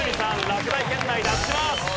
落第圏内脱します。